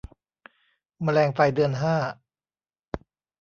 แมลงไฟเดือนห้า